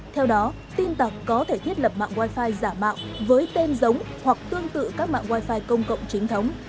theo đó tin tặc có thể thiết lập mạng wifi giả mạo với tên giống hoặc tương tự các mạng wi fi công cộng chính thống